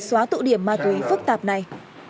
xóa tụ điểm ma túy phức tạp này